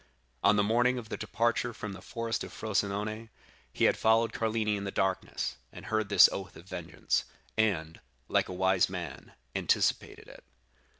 On the morning of the departure from the forest of Frosinone he had followed Carlini in the darkness, and heard this oath of vengeance, and, like a wise man, anticipated it.